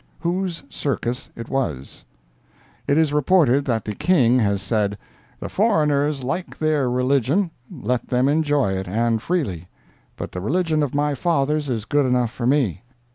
WHOSE CIRCUS IT WAS It is reported that the King has said: "The foreigners like their religion—let them enjoy it, and freely. But the religion of my fathers is good enough for me."